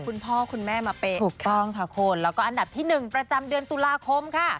คุณพ่อคุณแม่มาเป็นถูกต้องค่ะคุณแล้วก็อันดับที่๑ประจำเดือนตุลาคมค่ะ